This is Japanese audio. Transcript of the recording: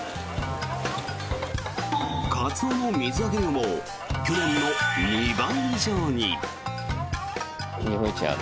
カツオの水揚げ量も去年の２倍以上に。